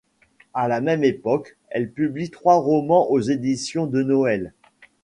À la même époque, elle publie trois romans aux éditions Denoël.